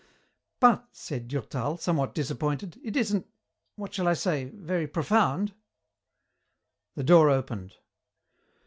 "But," said Durtal, somewhat disappointed, "it isn't what shall I say? very profound." The door opened.